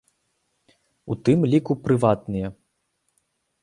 У тым ліку прыватныя.